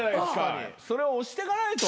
それを押してかないと。